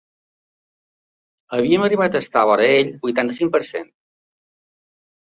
Havien arribat a estar vora ell vuitanta-cinc per cent.